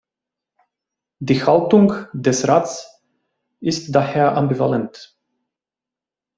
Die Haltung des Rats ist daher ambivalent.